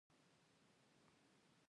دلته د کتاب سریزه پیل کیږي.